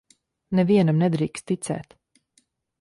Nevienam nedrīkst ticēt.